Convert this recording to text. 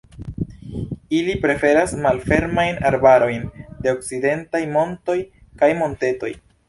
Ili preferas malfermajn arbarojn de okcidentaj montoj kaj montetoj.